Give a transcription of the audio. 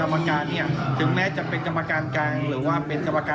ไปดูยกลำหนักเลยครับ